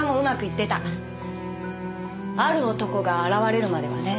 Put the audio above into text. ある男が現れるまではね。